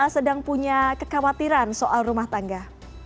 sedang punya kekhawatiran soal rumah tangga